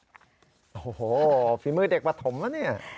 โอ้โฮฝีมือเด็กประถมแล้วนี่